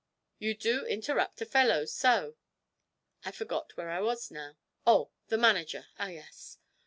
You do interrupt a fellow so! I forgot where I was now oh, the manager, ah yes!